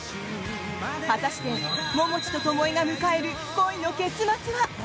果たして、桃地と巴が迎える恋の結末は？